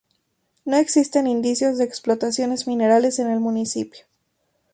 No existen indicios de explotaciones minerales en el municipio.